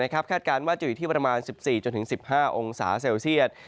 คาดการณ์ว่าจะอยู่ที่ประมาณ๑๔๑๕องศาเซลเซียต